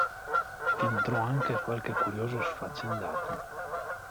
Ed entrò anche qualche curioso sfaccendato.